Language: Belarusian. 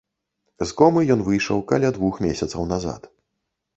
З комы ён выйшаў каля двух месяцаў назад.